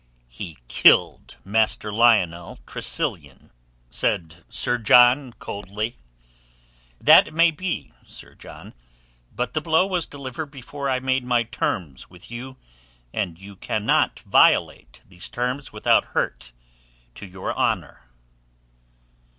"He killed Master Lionel Tressilian," said Sir John coldly "That may be, Sir John. But the blow was delivered before I made my terms with you, and you cannot violate these terms without hurt to your honour."